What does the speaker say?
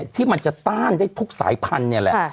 ที่มันจะต้านได้ทุกสายพันธุ์เนี่ยแหละ